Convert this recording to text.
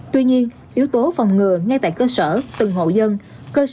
tuy nhiên yếu tố phòng ngừa ngay tại cơ sở từng hộ dân cơ sở chữa cháy